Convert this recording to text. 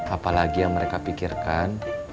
apalagi yang mereka pikirkan